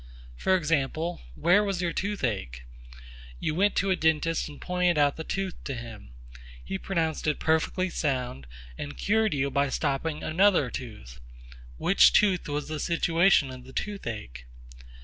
For example, Where was your toothache? You went to a dentist and pointed out the tooth to him. He pronounced it perfectly sound, and cured you by stopping another tooth. Which tooth was the situation of the toothache?